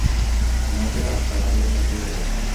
তোমাকে আটটার আগেই পৌঁছে দেব।